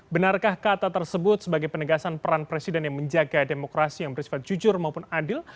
benarkah kata tersebut sebagai penegasan peran presiden yang menjaga demokrasi yang bersifat jujur maupun adil